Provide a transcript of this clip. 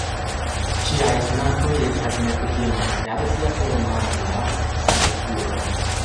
Ŝiaj sonatoj estas nekutimaj laŭ sia formala strukturo.